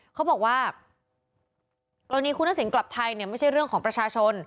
เขาบอกว่ากรณีคุณทักษิณกลับไทยเนี่ยไม่ใช่เรื่องของประชาชน